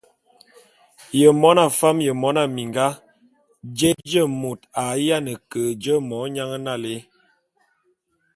Ye mona fam ye mona minga, jé nje môt a ye ke je monyan nalé?